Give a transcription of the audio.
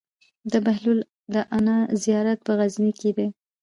د بهلول دانا زيارت په غزنی کی دی